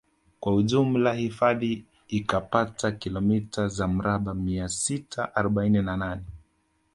Kwa ujumla hifadhi ikapata kilomita za mraba mia sita arobaini na nane